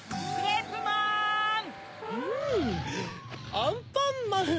アンパンマン！